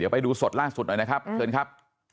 ไปดูสดล่าสุดหน่อยนะครับ